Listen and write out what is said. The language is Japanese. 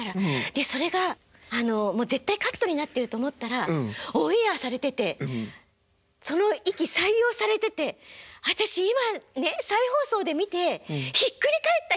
でそれがもう絶対カットになってると思ったらオンエアされててその息採用されてて私今ねっ再放送で見てひっくり返った。